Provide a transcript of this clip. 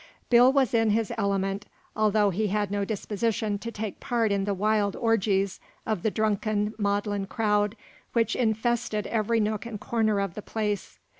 Bill was in his element, although he had no disposition to take a part in the wild orgies of the drunken, maudlin crowd which infested every nook and corner of the place.